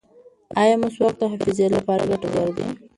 ایا مسواک د حافظې لپاره ګټور دی؟